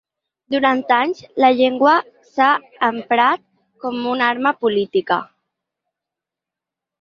Durant anys, la llengua s’ha emprat com una arma política.